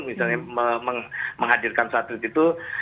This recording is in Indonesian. misalnya menghadirkan satelit itu